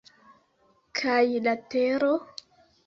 Kaj la tero?